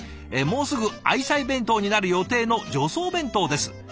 「もうすぐ愛妻弁当になる予定の助走弁当です。